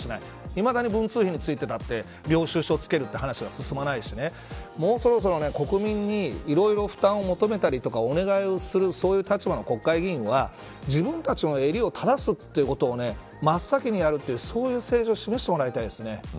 いまだに文通費についてだって領収証つける話が進まないしもうそろそろ国民にいろいろ負担を求めたりとかお願いをするそういう立場の国会議員は自分たちの襟を正すということを真っ先にやるというそういう政治を示してもらいたいです。